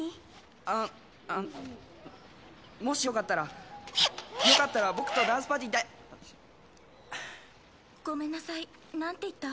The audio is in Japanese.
あのあっもしよかったらよかったら僕とダンスパーティーでごめんなさい何て言った？